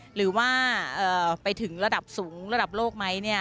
หรือว่าไปถึงระดับสูงระดับโลกไหม